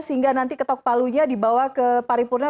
sehingga nanti ketokpalunya dibawa ke paripurna